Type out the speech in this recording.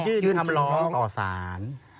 ยื่นคำร้องต่อสาร